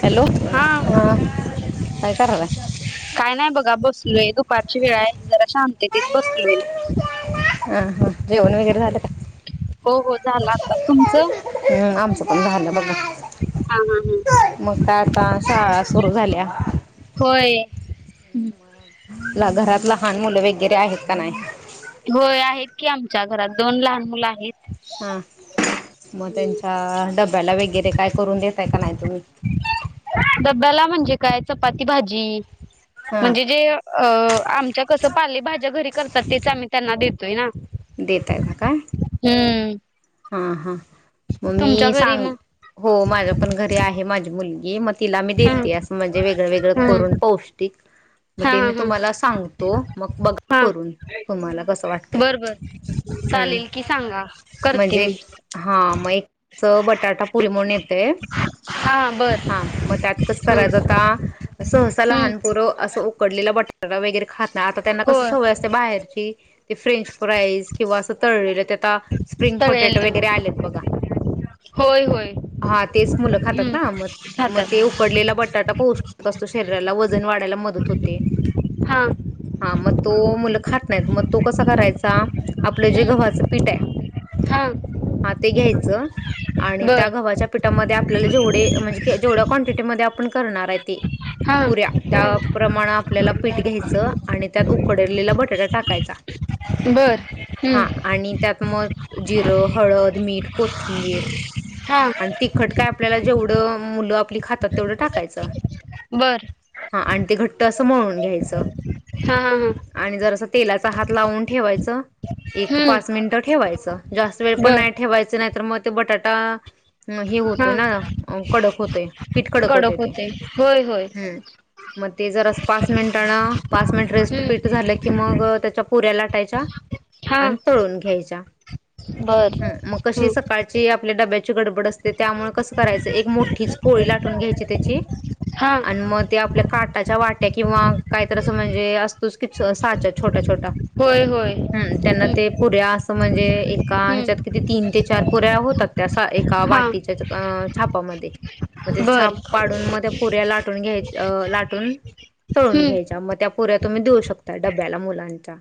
Hello. हा ह काय करालेे? काय नाही बघा, बसलोय. दुपारची वेळा आहे जरा शांततेत बसलोय. ह हा जेवन हो हो झालं आता तुमचं हम्म आमचं पण झालं बाबा हा हा हा मग का आता शाळा सुरू झाल्या हम्म घरात लहान मुलं वगैरे आहेत का नाही होय आहेत की आमच्या घरात दोन लहान मुलं आहेत हा मग त्यांच्या डब्याला वगैरे काय करून देतय तुम् डब्याला म्हणजे काय चपाती भाजी हा म्हणजे जे अ आमच्या कसं पालेभज्या घरी करतात तेच आम्ही त्यांना देतोय ना देेत आहे भाका हम्म हा हा मग मी तुमच्या घरी सांग मग हो माझ्या पण घरी आहे माझी मुलगी मग तिला मी हा देते असं म्हणजे वेगळं वेगळं हा करून पौष्टिक हा मग ते हा मी हा तुम्हाला सांगतो मग बघा हा करून तुम्हाला कस वाटतय बर बर चालेल कि सांगा करते म्हणजे मी हा मग एक बटाटा पुरी म्हणून येतय हा बर हा मग त्यात कच हम्म करायचंता सहसा हम्म लहानपुरं असं उकडलेला बटाटा वगैरे खात नाही आता त्यांना कस होय सवय असते बाहेरची ते फ्रेंच फ्राईज किंवा असं तळलेलं त्या आ स्प्रिंग तळेल पोटॅटो वगैरे आलेत बघा होय होय हा तेच मुलं खातात हम्म ना मग मग खातात ते उकडलेला बटाटा पोचतो कपसतो शरीराला वजन वाढायला मदत होते हा हा मग तो मुलं खात नाही मग तो कसा करायचा आपलं जे हम्म गव्हाचं पीठ आहे हा हा ते घ्यायचं आणि त्या बर गव्हाच्या पीठामध्ये आपल्याला जेवढे म्हणजे जेवढ्या क्वांटिटीमध्येध्ये आपण करणार आहे ते हा पुऱ्या हम्म त्याप्रमाण आपल्याला पीठ घ्यायचं आणि त्यात उकडलेला बटाटा टाकायचा हा आणि त्यात बरंम्म मग जिरं हळद मीठ कोथिंबीर हा आणि तिखट काय आपल्याला जेवढं मुलं आपली खातात तेवढं टाकायचं बर ह आणि ते घट्ट असं म्हणून घ्यायचं हा हा हा आणि जर अस तेलाचा हात लावून ठेवायचं एक हम्म पाच मिनटं ठेवायचं जास्त वेळ पण बर नाही ठेवायच नाही तर मग ते बटाटा ह हे होतोय हा ना कडक होतय पीठ कडक होते ते हो होय हम्म मग ते जर पाच मिनिट पाच मिनिट रेस्ट पीट हम्म झालं की मग त्या त्या पुऱ्या लाटायच्या हा आणि तळून घ्यायच्या बर ह मग कशी हम्म सकाळची आपल्या डब्याची गडबड असते त्यामुळे कसं करायचं एक मोठीच पोळी लाटून घ्यायची त्याची हा आणि मग ते आपल्या का च्या वाट्या किंवा काहीत अस म्हणजे असतोच की साच छोट्या छट ट होय होय त्यांना हम्म ते पुऱ्या अस म्हणजे एका ह्याच्यात हम्म कि तीन ते चार पुऱ्या होतात त्या एका हा वाटीच्या छापामध्ये मग ते बर छाप पाडून मग त्या पुऱ्या लाटून घ्याय लाटून तळून हम्म घ्यायच्या मग त्या पुऱ्या तुम्ही देऊ शकताय डब्याला मुलांच्या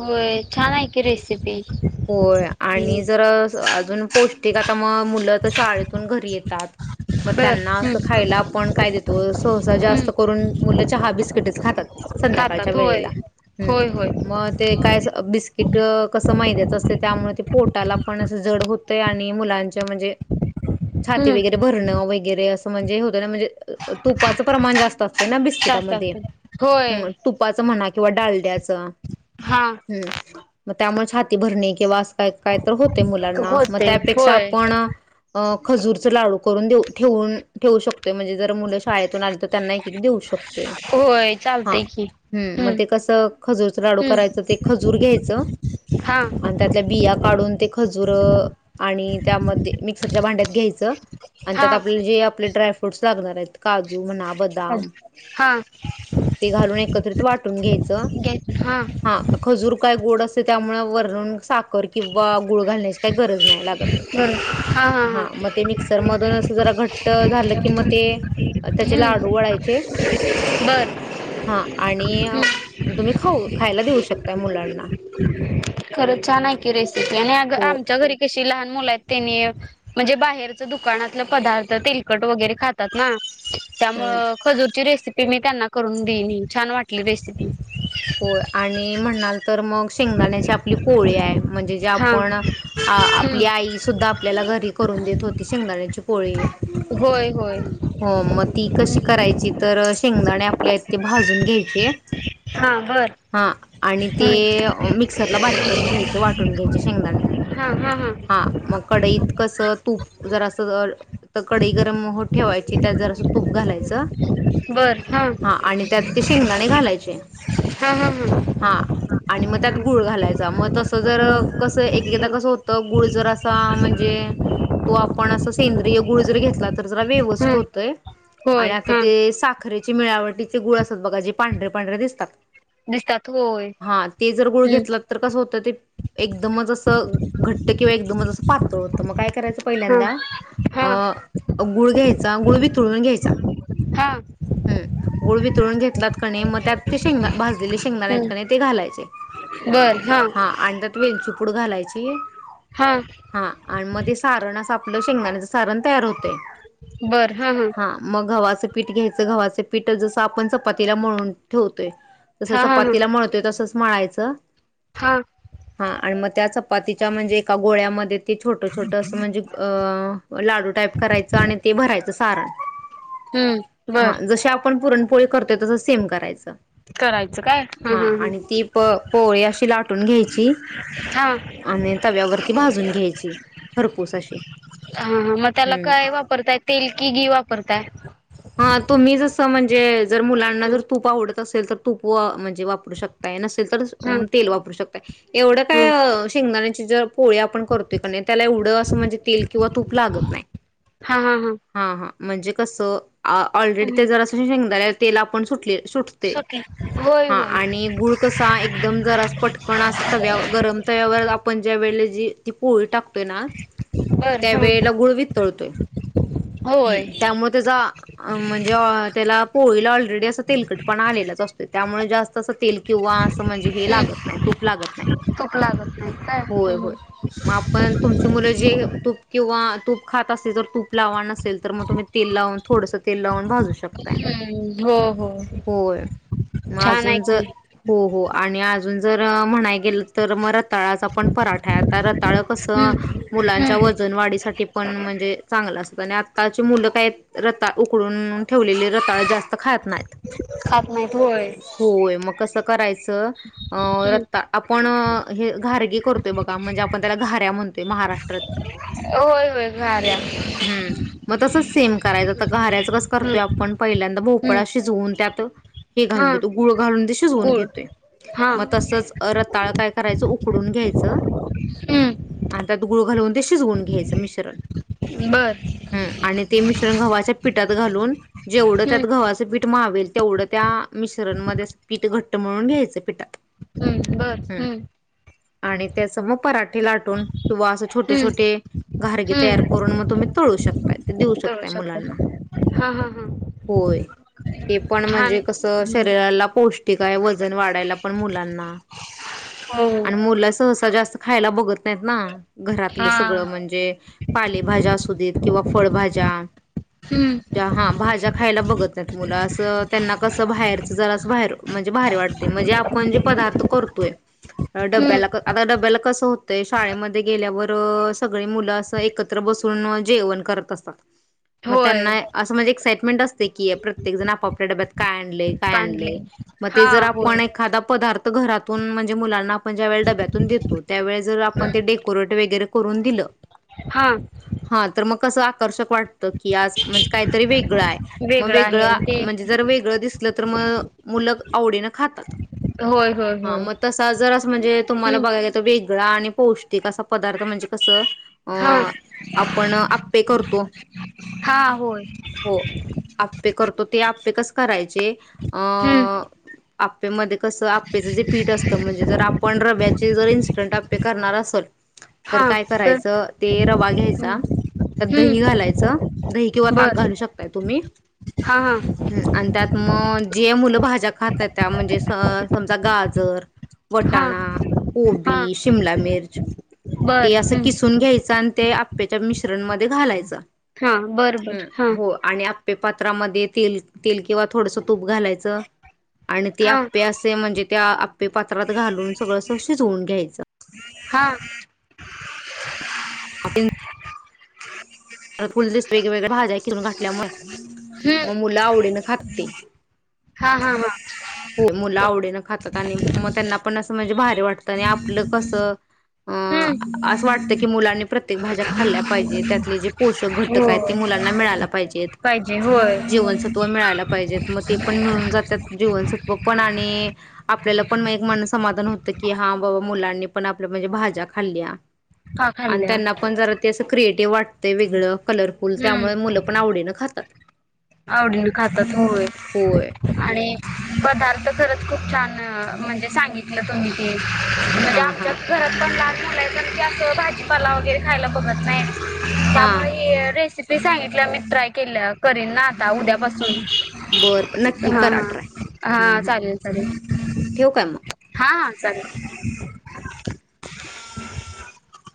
होय छान आहे कि रेसिपी होय हम्म आणि जर अजून पौष्टिक आता मग मुलं तर शाळेतून घरी येतात मग बर त्यांना अस हम्म खायला आपण काय देतो सहसा हम्म जास्त करून मु च बट खातात संध्याकाळच्या खातात होय वेला होय होय मग ते काय तथ कसं मैद्याचं असतं त्यामुळे ते पोटाला पण असं जड होतय आणि मुलांच्या म्हणजे छाती हम्म वगैरे भरणं वगैरे असं म्हणजे होतं ना म्हणजे तुपाचं प्रमाण जास्त असतं ना जास्त बिस्किटामध्ये. असते होय तुपाच म्हणा किंवा डालड्याच हा त्यामुळे छान. ते भरणे किंवा, का काय तर होते मुलांना मग होते त्यापेक्षा होय आपण खजूरच लाडू करून देऊ. ठेवून ठेवू शकतोय म्हणजे जर मुलं शाळेतून आली तर त्यांना एक एक देऊ शकतोयं. होय हा चालतय की हम् मग हम्म ते कसं खजूरच लाडू हम्म करायचं ते खजूर घ्यायचं. हा आणि त्यात. बिया काढून ते खजूर आणि त्यामध्ये मिक्सरच्या भांड्यात घ्यायचं. आणि त्यात हा आपले जे आपले ड्रायफ्रूट्स लागणार आहेत काजू म्हणा बदाम- हा ते घालून एकत्रित वाटून घ्यायचं हा खजूर कायं गोड असं. त्यामुळे वरून साखर किंवा गुळ घालण्याची काही गरज नाही लागतं. हा मगं ते मिक्सर मधून असं जरा घट्ट झालं की मगं ते, त्याचे लाडू हम्म वळायचे. बर हा आणि हम्म तुम्ही खाऊ खायला देऊ शकतायं मुलांना. खरं छान आहे की रेसिपी आणि अगं हो आमच्या घरी कशी लहान मुल आहेत. त्यानी म्हणजे बाहेरच दुकानातलं पदार्थ तेलकट वगैरे खातात ना. ह त्यामुळ खजूरची रेसिपी मी त्यांना करून देईन छान वाटली रेसिपी. होयं आणि म्हणणाल तरं मगं. शेंगदाण्याची आपली पोळी आहे म्हणजे जे हा आपण हम्म आपली आई सुद्धा आपल्याला घरी करून. करुन देत होती शेंगदाण्या्यांची पोळी. होय हो. हो मगं ती कशी करायची तर शेंगदाणे आपल्या ते भाजून घ्यायचे. हां बर. हां आणि ते मिक्सरला बारीक करून घ्यायचे वाटून घ्यायचे शेंगदाणे. हा मगं कडईत कसं तूप जरासं. तर कडीई गरम हो ठेवायची त्या जर असं तूप घालायचं. हां बर आणि त्यात ते ह शेंगदाणे घालायचे ह ह हां ह. आणि मग त्यात गुळ घालायचा मग तसं जर हा कसं एक एकदा कसं हम्म होतं गुळ जर असा म्हणजे. तो आपण अस सेंद्रिय- गूळ जरी घेतला तर जरा व्यवस्थित होतोय आणि होय आता हा ते साखरेचे- मिळावटीचे गुळ असतात बघा जे पांढरे पांढरे दिसतात. दिसतात हो. हा ते जर गुळ घेतला तर कसं होतं ते. एकदमच असं घट्ट किंवा एकदमच असं पातळ होतं मग काय करायचं पहिल्यांदा. हा अं गुळ घ्यायचा गुळ व वितळून घ्यायचा. हा हा हम गुळ वितळून घेतलात की नाही मगं त्यात - भाजलेले शेंगदाणे आहेत का नाही ते घालायचे हा आणि त्यात वेलची - पुड घालायची हा हा मध्ये सारण असं. आपलं शेंगण्याचं सारण तयार होते. बरं हा हा. पीठ घ्यायचं गव्हांच पीठ जसं आपण चपातीला मळून ठेवतो. जस हा हा हा चपातीला मळतोयं तसचं मळायचं हा हा आणि मगं. त्या चपातीच्या म्हणजे एका गोळ्यामध्ये- ते छोटं छोटं असं म्हणजे लाडू टाईप करायचं आणि ते भरायचं सारण. हम्म हा बर जशी आपण पुरणपोळी करतोयं तसं सेम करायचं. हा आणि ती प पोळी अशी लाटून घ्यायची. हा हा तव्यावरती भाजून घ्यायची खरपूस अशी हा, हा मग त्याला हम्म काय वापरताय तेल की घी वापरतायं हा तुम्ही जसं म्हणजे जर मुलांना हा जर तूप आवडं असेल तर तूप म्हणजे वापरू शकता ना तर तेल वापरू शकता एवढं काय शेंगदाण्याची जर पोळ्या आपण करतोय कारण त्याला एवढं असं म्हणजे तेल किंवा तूप लागत नाही हा, हा, हा हां हां म्हणजे कसं ऑलरेडी हा ते जर असं शेंग तेला आपण सुटली सुटते सुके होय हा होय आणि गुळ कसा एकदम जर पटकन तव्या गरम आपण ज्या वेळेला जी ती पोळी टाकत बर हा त्यावेेळेला गुळ वितळतोय हम् होय त्यामुळे त्याचा म्हणजे त्याला पोळीला ऑलरेडी असं तेलकट पण आलेलंच असत त्यामुळे जास्त असं तेल किंवा असं म्हणजे हे लागत नाही तूप लागत तूप लागत नाही नाही काय होय होय हम्म म आपण तुमची मुलं जे तूप किंवा तूप खात असे जर तूप लावा नसेल तर मग तुम्ही तेल लावून थोडस ते लावून भाजू शकताय हम्म हो हो होय मग छान आहे अजून ज की हो, हो आणि अजून जर म्हणाय गेले तर मग रताळाचा पण पराठा आहे आता रताळ कस मुलांच्या वजन वाढीसाठी पण म्हणजे चांगला असते आत्ताची मुलं काय रताळे उकडून ठेवलेली रताळ जास्त खात नाहीत खात नाहीत होय होय मग कसं करायचं आपण घारगे करतोय म्हणजे आपण त्याला घाऱ्या म्हणतो महाराष्ट्रात होय होय घाऱ्या मग तस सेम करायचं घराचं कसे करतोय हम्म आपण पहिल्यांदा भोपळ हम्म शिजवून त्यात हे घालून हा घेतो गुळ घालून ते शिजवून गुळ घेतोय हा मग तसं रताळ काय करायचं उकडून घ्या घ्यायचं हम्म व त्यात गुळ घालून ते शिजवून घ्यायचं मिश्रण बर आणि ते मिश्रण गव्हाच्या पिठात पिठात घालून जेवढ हम्म त्यात गव्हाचं पीठ मावेल तेवढं त्या मिश्रण मध्ये पीठ घट्ट म्हणून घ्यायचं पीठात हम्म बर हम् हम्म आणि त्यांचा मग पराठा लाटून किंवा असं छोटे हम्म छोटे घारगे तयार हम्म करून मग तुम्ही तळू शकताय ते देऊ तळू शकताय मुलांना हा, हा, हा होय ते पण छान म्हणजे कसं शरीराला पौष्टिक आहे वजन वाढायला पण मुलांना हो आणि मुला सहसा जास्त खायला बघत ना घरातलं हा सगळं म्हणजे पालेभाज्या असू देत किंवा फळभाज्या हम्म हा भाज्या खायला बघत नाहीत मुलं असं त्यांना कसं बाहेरच जरा असं बाहेर म्हणजे बाहेर वाटतय म्हणजे जे आपण पदार्थ करतोय हम्म डब्याला आता डब्याला कस होतय शाळेमध्ये गेल्यावर सगळी मुलं अस एकत्र बसून जेवण करत असतात मग होय त्यांना असं म्हणजे एक्साइटमेंट असते की प्रत्येक जण आपापल्या डब्यात काय आणले काय कांडले आणले मग ते हा जर आपण होय आणि एखादा पदा घरातून म्हणजे मुलांना आपण ज्या वेळी डब्यातून देतो त्यावेेळे जर आपण ते डेकोेरेट वगैरे करून दिल हा हा तर मग कसा आकर्षित वाटतं की आज म्हणजे काहीतरी वेगळं आहे मग आहे वेगळं आणि ते म्हणजे जर वेगळं दिसलं तर मग मुले आवडीन खात होय होय हा होय मग तसा जर म्हणजे तुम्हाला हम्म बघायच तर वेगळा आणि पौष्टिक पदार्थ म्हणजे कसं हा अ आपण आप्पे करतो हा होय हो आप्पे करतो ते आप्पे कस करायचे अ हम्म आप्पे मध्ये कसं आप्पेचं जे पीठ असतं म्हणजे जर आपण रव्याचे चे जर इन्स्टंट आप्पे करणार असेल तर हा काय तर करायचं ते रवा घ्यायचा हम्म त्यात दही हम्म घालायचं दही किंवा ताक बर घालू शकताय तुम्ही हा हं आणि त्यात म जे मुलं भाज्या खात नाय त्या म्हणजे स समजा गाजर हा हा वटाणा, हा कोबी, शिमला मिर्च ते बर असं हम्म किसून घ्यायचं आणि ते आप्याच्या मिश्रण मध्ये घालायचा. हा बरबर हा ते पात्रामध्ये तेल तेल किंवा थोडस तूप घालायचं. आणि ते हा आप्पे असे म्हणजे त्या आप्पे पात्रात घालून सगळं अस शिजवून घ्यायचं. हा [unintelligible] फुललीस वेगवेगळ्या भाज्या किरून घाातल्यामुळे हम्म मग मुला आवडीने खातात ते. हा हा हो मुलं हा आवडीनं खातात आणि मग त्यांना पण असं म्हणजे बाहेर वाटात आणि आपलं कस अ हम्म असं वाटतं की मुलांनी प्रत्येक भाज्या खाल्ल्या पाहिजे त्यातले जे पोषक हो घटक आहेत ते मुलांना मिळाला पाहिजेत. पाहिजे होय जीवनसत्व मिळायला पाहिजेत म ते पण मिळून जात्यात जीवन सत्व पण आणि आपल्याला पण एक मन समाधान होत की हा बा मुलांनी पण आपल म्हणजे भा भाज्या खाल्ल्या का आणि खाल्ल्या त्यांना पण जरा ते अस क्रिएटिव्ह वाटतंय वेगळं कलरफुल त्यामुळ मुलं पण आवडीनं खातात. आवडीनं खातात होय होय आणि पदार्थ खरच खूप छान म्हणजे सांगितलं तुम्ही ते म्हणजे हा आमच्या घरात पण लहान मुलायचं की असं भाजीपाला वगैरे खायला बघत नाय त्यामुळ हां हे सांगित मी ट्राय केल्या करीन ना आ ता उद्यापासून बरं नक्की हा करा ट्राय हा हा चालेल चालेल. ठेव काय म चाललं.